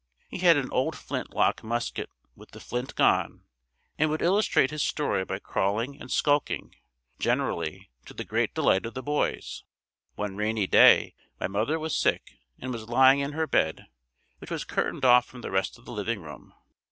He had an old flint lock musket with the flint gone and would illustrate his story by crawling and skulking, generally, to the great delight of the boys. One rainy day my mother was sick and was lying in her bed which was curtained off from the rest of the living room.